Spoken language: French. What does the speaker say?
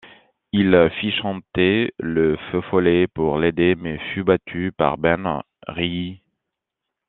Il fit chanter le Feu-follet pour l'aider, mais fut battu par Ben Reilly.